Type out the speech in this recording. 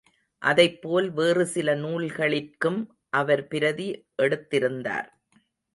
அதைப்போல் வேறு சில நூல்களிற்கும் அவர் பிரதி எடுத்திருந்தார்.